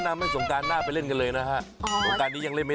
เหมือนสายน้ำดับเพลิงอ่ะหรือฮะ